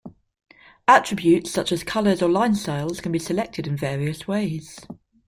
Attributes such as colors or line styles can be selected in various ways.